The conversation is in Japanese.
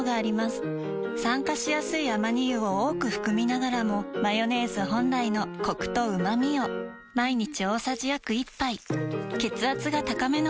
酸化しやすいアマニ油を多く含みながらもマヨネーズ本来のコクとうまみを毎日大さじ約１杯血圧が高めの方に機能性表示食品